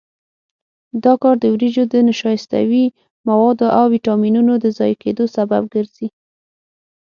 دا کار د وریجو د نشایستوي موادو او ویټامینونو د ضایع کېدو سبب ګرځي.